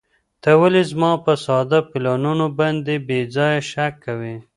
ته ولې زما په ساده پلانونو باندې بې ځایه شک کوې؟